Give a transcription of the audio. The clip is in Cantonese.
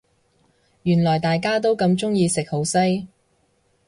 原來大家都咁鍾意食好西